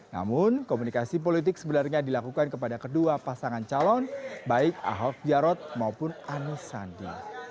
namun komunikasi politik sebenarnya dilakukan kepada kedua pasangan calon baik ahok jarot maupun anis sandi